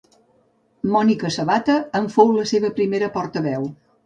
Mònica Sabata en fou la seva primera portaveu.